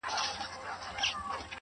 پر كومه تگ پيل كړم.